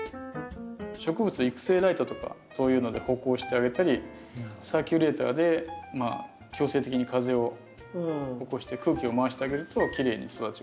植物育成ライトとかそういうので補光してあげたりサーキュレーターで強制的に風を起こして空気を回してあげるときれいに育ちますね。